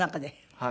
はい。